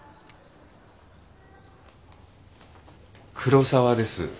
黒沢です。